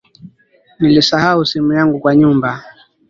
Nilisahau simu yangu kwa nyumba